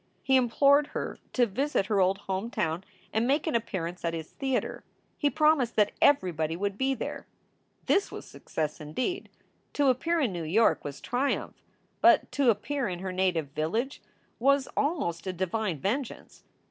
He implored her to visit her old home town and make an appear ance at his theater. He promised that everybody would be there. This was success indeed! To appear in New York was triumph, but to appear in her native village was almost a divine vengeance.